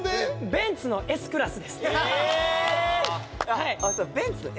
ベンツのＳクラス。